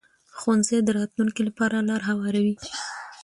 ښوونځی د راتلونکي لپاره لار هواروي